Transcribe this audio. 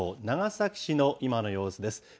長崎市の今の様子です。